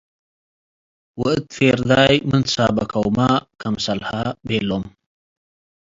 ወእት ፌርዳይ ምን ትሳበከውመ ክምሰልሀ ቤሎ'ም።